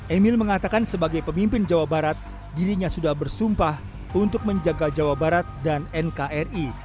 emil mengatakan sebagai pemimpin jawa barat dirinya sudah bersumpah untuk menjaga jawa barat dan nkri